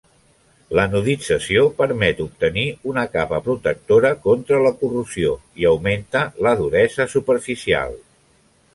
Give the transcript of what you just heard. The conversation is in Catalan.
L'anodització permet obtenir una capa protectora contra la corrosió i augmenta la duresa superficial.